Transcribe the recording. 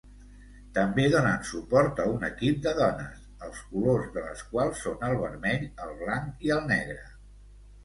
També donen suport a un equip de dones, els colors de les quals són el vermell, el blanc i el negre.